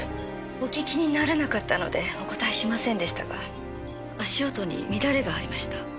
お聞きにならなかったのでお答えしませんでしたが足音に乱れがありました。